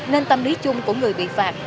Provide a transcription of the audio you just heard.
nên tâm lý chung của người bị phạt